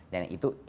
dan itu satu